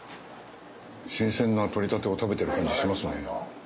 新鮮な取れたてを食べてる感じしますね。